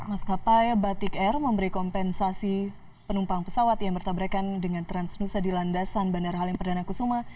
maskapai batik air memberi kompensasi penumpang pesawat yang bertabrakan dengan transnusa di landasan bandara halim perdana kusuma